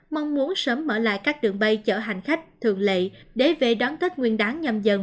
mong muốn sớm mở lại các đường bay chở hành khách thường lệ để về đón tết nguyên đáng nhầm dần dần